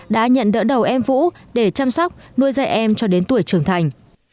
đã nhận đỡ đầu em vũ để chăm sóc nuôi dạy em cho đến tuổi trưởng thành